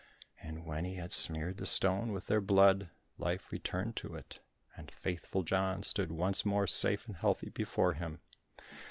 And when he had smeared the stone with their blood, life returned to it, and Faithful John stood once more safe and healthy before him.